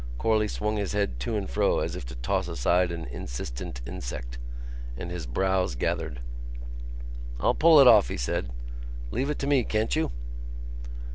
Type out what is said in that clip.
Corley swung his head to and fro as if to toss aside an insistent insect, and his brows gathered. "I'll pull it off," he said. "Leave it to me, can't you?"